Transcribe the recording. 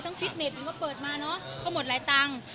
ทั้งฟิตเนตก็เปิดมาเนอะก็หมดหลายตังค์